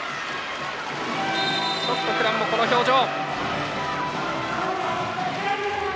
ちょっとクランもこの表情。